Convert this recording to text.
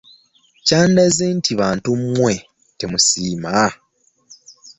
Kyandaze nti bantu mmwe temusiima!